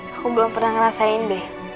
aku belum pernah ngerasain deh